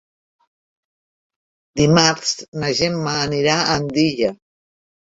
Dimarts na Gemma anirà a Andilla.